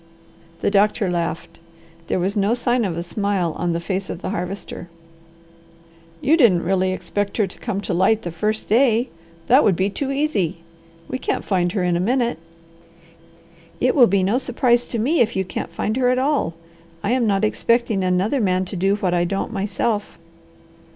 The doctor laughed. There was no sign of a smile on the face of the Harvester. "You didn't really expect her to come to light the first day? That would be too easy! We can't find her in a minute." "It will be no surprise to me if you can't find her at all. I am not expecting another man to do what I don't myself."